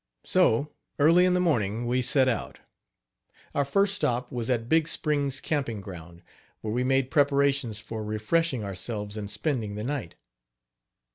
So, early in the morning, we set out. Our first stop was at Big Springs camping ground, where we made preparations for refreshing ourselves and spending the night.